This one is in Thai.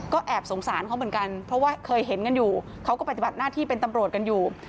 ก็แอบสงสารเขาเหมือนกันเพราะว่าเคยเห็นกันอยู่เขาก็ปฏิบัติหน้าที่เป็นตำรวจกันอยู่